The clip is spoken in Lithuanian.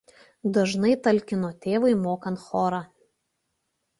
Dažnai talkino tėvui mokant chorą.